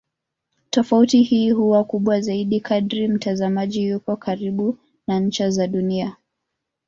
Tofauti hii huwa kubwa zaidi kadri mtazamaji yupo karibu na ncha za Dunia.